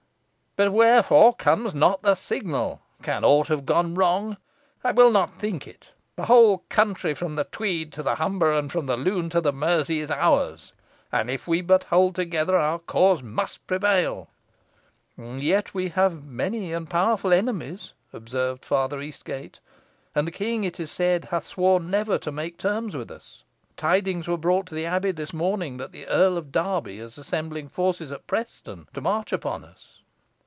But wherefore comes not the signal? Can aught have gone wrong? I will not think it. The whole country, from the Tweed to the Humber, and from the Lune to the Mersey, is ours; and, if we but hold together, our cause must prevail." "Yet we have many and powerful enemies," observed Father Eastgate; "and the king, it is said, hath sworn never to make terms with us. Tidings were brought to the abbey this morning, that the Earl of Derby is assembling forces at Preston, to march upon us."